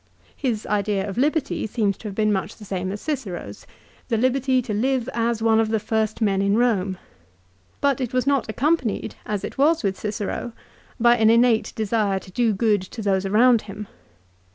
His idea of liberty seems to have been much the same as Cicero's, the liberty to live as one of the first men in Eome ; but it was not accompanied, as it was with Cicero, by an innate desire to do good to those around him.